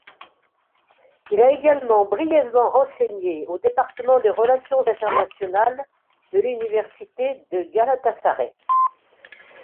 Il a également brièvement enseigné au département des relations internationales de l'Université de Galatasaray.